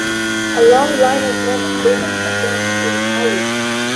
A long line of men and women advanced to the fire.